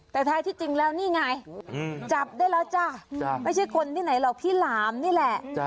แต่แท้ที่จริงแล้วนี่ไงจับได้แล้วจ้ะไม่ใช่คนที่ไหนหรอกพี่หลามนี่แหละ